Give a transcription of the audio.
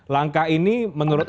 langkah ini menurut